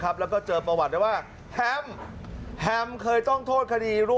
เลยกลายเป็นภาพที่เปิดให้คุณผู้ชมดู